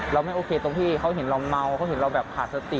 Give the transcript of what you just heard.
เราไม่โอเคตรงที่เขาเห็นเราเมาเขาเห็นเราแบบขาดสติ